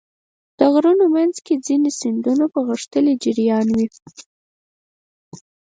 د غرونو منځ کې ځینې سیندونه په غښتلي جریان وي.